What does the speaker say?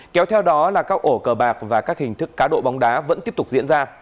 kéo theo đó là các ổ cờ bạc và các hình thức cá độ bóng đá vẫn tiếp tục diễn ra